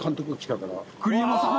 栗山さん？